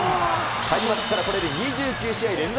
開幕からこれで２９試合連続